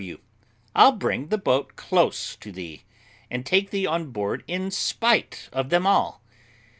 W. I'll bring the boat close to thee, and take thee on board in spite of them all.